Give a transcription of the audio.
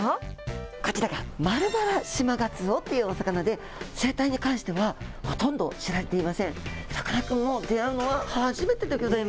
こちらがマルバラシマガツオというお魚で、生態に関しては、ほとんど知られていません。